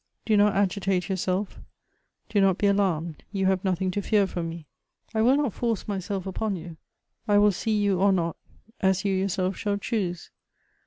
Do not agitate yourself; do not be alarmed ; you have nothing to fear from me. I will not force myself upon you. I will see you or not, as yon yourself shall choose.